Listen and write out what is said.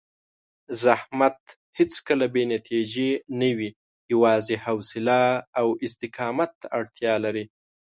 زحمت هېڅکله بې نتیجې نه وي، یوازې حوصله او استقامت ته اړتیا لري.